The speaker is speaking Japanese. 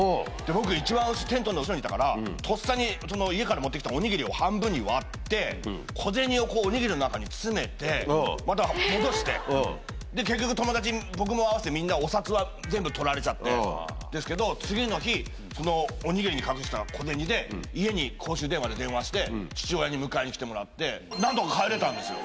僕、一番テントの後ろにいたから、とっさに家から持ってきたお握りを半分に割って、小銭をお握りの中に詰めて、また戻して、結局、友達に、僕も合わせて、みんなお札は全部とられちゃったんですけど、次の日、そのお握りに隠した小銭で、家に公衆電話で電話して、父親に迎えに来てもらって、なんとか帰れたんですよ。